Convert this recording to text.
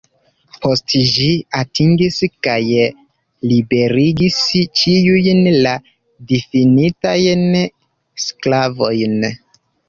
Poste ĝi atingis kaj liberigis ĉiujn la difinitajn sklavojn.